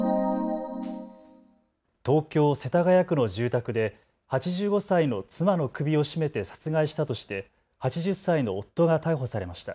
東京世田谷区の住宅で８５歳の妻の首を絞めて殺害したとして８０歳の夫が逮捕されました。